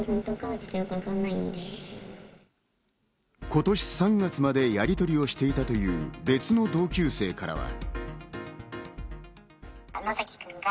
今年３月までやりとりをしていたという別の同級生からは。